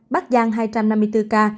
bắc giang hai trăm năm mươi bốn ca